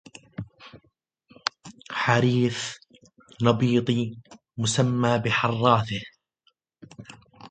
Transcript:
حريث نبيطي مسمى بحرثه